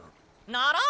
ならんよ